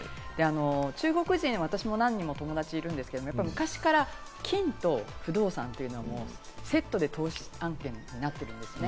中国人、私も何人も友達いるんですが、昔から金と不動産というのはセットで投資案件になってるんですね。